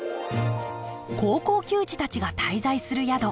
高校球児たちが滞在する宿。